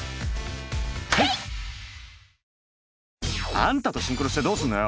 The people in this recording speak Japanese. あんたとシンクロしてどうすんのよ！